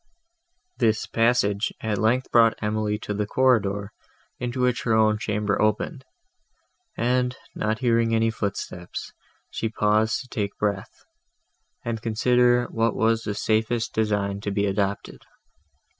This passage at length brought Emily to the corridor, into which her own chamber opened, and, not hearing any footstep, she paused to take breath, and consider what was the safest design to be adopted.